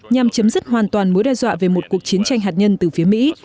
nhằm chấm dứt hoàn toàn mối đe dọa về một cuộc chiến tranh hạt nhân từ phía mỹ